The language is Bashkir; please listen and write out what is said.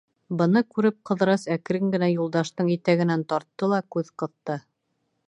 Быны күреп, Ҡыҙырас әкрен генә Юлдаштың итәгенән тартты ла күҙ ҡыҫты.